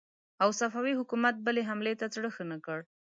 او صفوي حکومت بلې حملې ته زړه ښه نه کړ.